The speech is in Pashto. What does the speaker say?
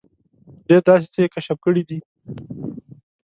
ډېر داسې څه یې کشف کړي دي.